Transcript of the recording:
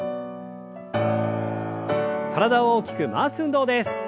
体を大きく回す運動です。